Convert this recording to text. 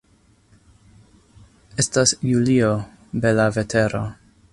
Estas julio, bela vetero.